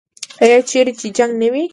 آیا چیرې چې جنګ نه وي؟